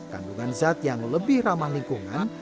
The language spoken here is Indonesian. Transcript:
kandungan zat yang lebih ramah lingkungan